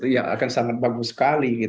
yang akan sangat bagus sekali